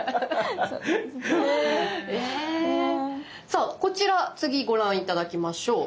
さあこちら次ご覧頂きましょう。